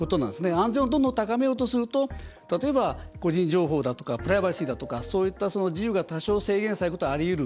安全をどんどん高めようとすると例えば、個人情報だとかプライバシーだとかそういった自由が多少制限されることがありうる。